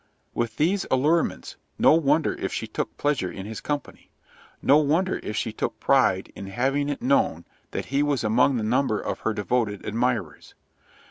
With these allurements, no wonder if she took pleasure in his company—no wonder if she took pride in having it known that he was among the number of her devoted admirers.